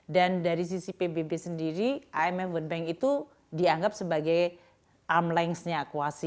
dan dari sisi pbb sendiri imf world bank itu dianggap sebagai arm length nya kuasi